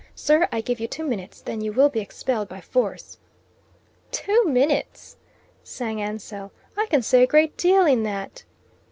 Sir, I give you two minutes; then you will be expelled by force." "Two minutes!" sang Ansell. "I can say a great deal in that."